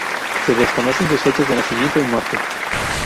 Se desconocen sus fechas de nacimiento y muerte.